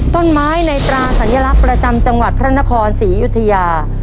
ต้นไม้ในตราสัญลักษณ์ประจำจังหวัดพระนครศรีอยุธยา